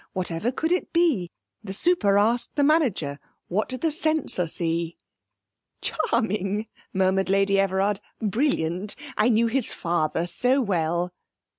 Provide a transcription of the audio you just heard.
(Whatever could it be?) The super asked the Manager, What did the Censor see?' 'Charming,' murmured Lady Everard; 'brilliant I know his father so well.'